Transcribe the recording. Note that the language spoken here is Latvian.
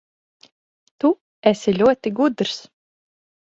Tu esi ļoti gudrs.